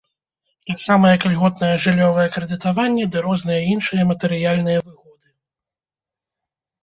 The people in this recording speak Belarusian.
Таксама, як ільготнае жыллёвае крэдытаванне ды розныя іншыя матэрыяльныя выгоды.